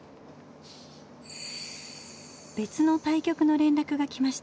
別の対局の連絡が来ました。